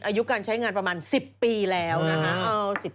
อายุการใช้งานประมาณ๑๐ปีแล้วนะคะ